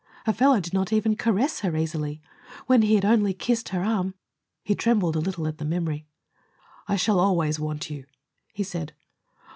A fellow did not even caress her easily. When he had only kissed her arm He trembled a little at the memory. "I shall always want you," he said.